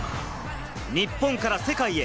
日本から世界へ。